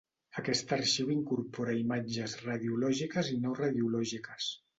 Aquest arxiu incorpora imatges radiològiques i no radiològiques.